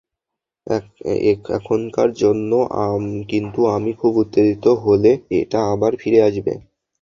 এখনকার জন্য, কিন্তু আমি খুব উত্তেজিত হলে, এটা আবার ফিরে আসবে।